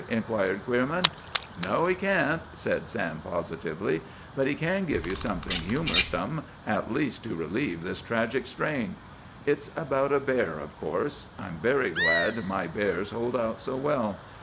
inquired Queerman. "No, he can't!" said Sam positively. "But he can give you something humorsome, at least, to relieve this tragic strain. It's about a bear, of course. I'm very glad my bears hold out so well.